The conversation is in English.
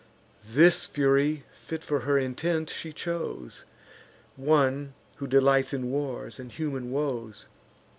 This Fury, fit for her intent, she chose; One who delights in wars and human woes.